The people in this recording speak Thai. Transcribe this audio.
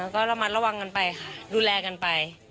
ก็ระมัดระวังกันไปค่ะดูแลกันไป